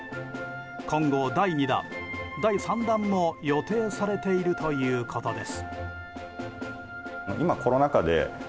今後、第２弾、第３弾も予定されているということです。